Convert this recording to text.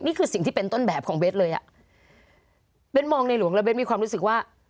นี่คือสิ่งที่เป็นต้นแบบของเบสเลยอ่ะเบ้นมองในหลวงแล้วเบ้นมีความรู้สึกว่า